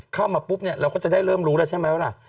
เข้ามาปุ๊บเราก็จะได้เริ่มรู้แล้วใช่ไหม